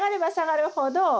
なるほど。